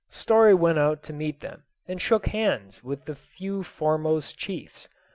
Story went out to meet them, and shook hands with the few foremost chiefs.